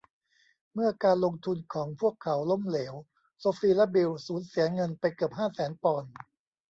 เมื่อการลงทุนของพวกเขาล้มเหลวโซฟีและบิล สูญเสียเงินไปเกือบห้าแสนปอนด์